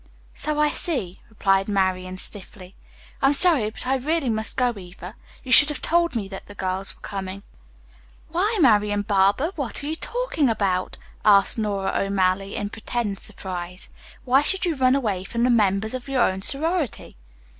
"So I see," replied Marian stiffly. "I am sorry, but I really must go, Eva. You should have told me that the girls were coming." "Why, Marian Barber, what are you talking about?" asked Nora O'Malley in pretended surprise. "Why should you run away from the members of your own sorority?"